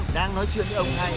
đang nói chuyện với ông này